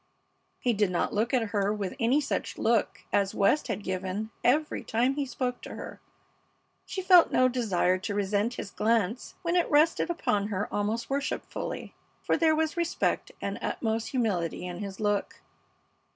He did not look at her with any such look as West had given every time he spoke to her. She felt no desire to resent his glance when it rested upon her almost worshipfully, for there was respect and utmost humility in his look.